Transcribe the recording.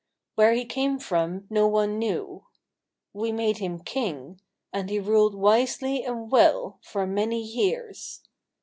Where he came from no one knew. We made him king, and he ruled wisely and well for many years.